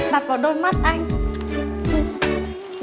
đặt vào đôi mắt anh